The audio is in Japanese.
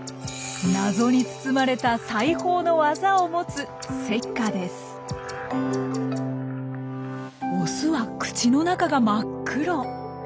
謎に包まれた裁縫の技を持つオスは口の中が真っ黒。